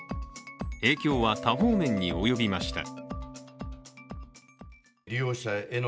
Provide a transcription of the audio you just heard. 影響は多方面に及びました。